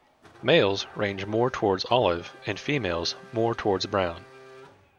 Males range more towards olive and females more towards brown.